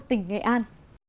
tỉnh nghệ an